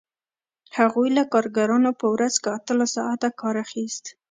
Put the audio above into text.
هغوی له کارګرانو په ورځ کې اتلس ساعته کار اخیست